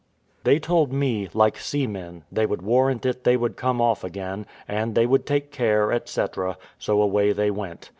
They told me, like seamen, they would warrant it they would come off again, and they would take care, &c. so away they went.